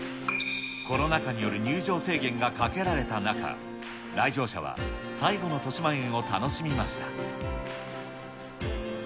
コロナ禍による入場制限がかけられた中、来場者は最後のとしまえんを楽しみました。